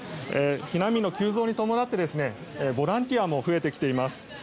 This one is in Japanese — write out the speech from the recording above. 避難民の急増に伴ってボランティアも増えてきています。